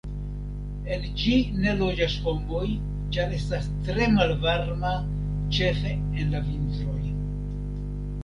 En ĝi ne loĝas homoj, ĉar estas tre malvarma, ĉefe en la vintroj.